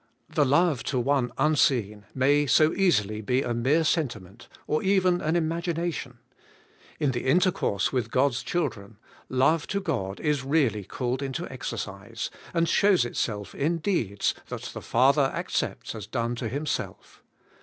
The love to one unseen may so easily be a mere sentiment, or even an imagination; in the intercourse with God's children, love to God is really called into exercise, and shows itself in deeds that the Father accepts as done to Himself.